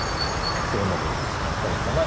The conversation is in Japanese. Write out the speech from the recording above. そうなるべくしてなったのかな